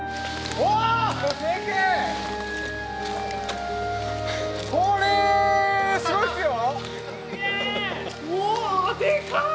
うおでかい！